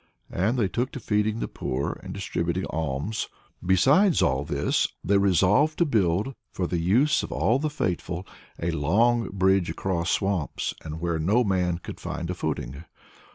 And they took to feeding the poor and distributing alms. Besides all this, they resolved to build, for the use of all the faithful, a long bridge across swamps and where no man could find a footing.